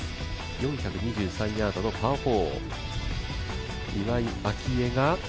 ４２３ヤードのパー４。